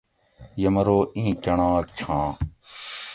یمرو ایں کنڑاک چھاں